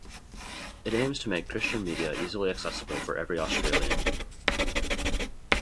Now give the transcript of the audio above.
It aims to make Christian media easily accessible for every Australian.